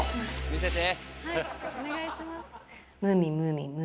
見せて！